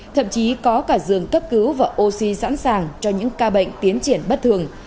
thậm chí có cả giường cấp cứu và oxy sẵn sàng cho những ca bệnh tiến triển bất thường